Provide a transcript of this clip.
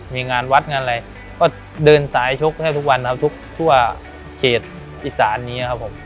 มีงานวัดงานอะไรก็เดินสายชกแทบทุกวันครับทุกทั่วเขตอีสานนี้ครับผม